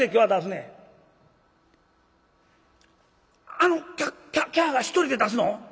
「あのキャキャが１人で出すの？